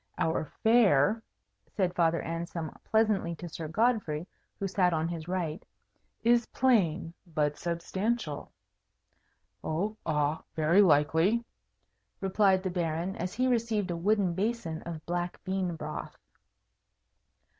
"Our fare," said Father Anselm pleasantly to Sir Godfrey, who sat on his right, "is plain, but substantial." "Oh ah, very likely," replied the Baron, as he received a wooden basin of black bean broth.